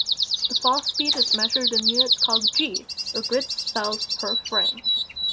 The fall speed is measured in units called G, or grid cells per frame.